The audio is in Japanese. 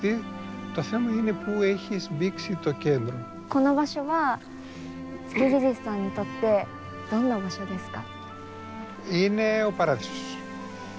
この場所はツキジジスさんにとってどんな場所ですか？